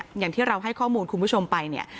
อย่างที่เราให้ข้อมูลคุณผู้ชมไปเนี่ย